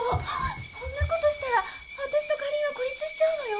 そんなことしたら私とかりんは孤立しちゃうのよ？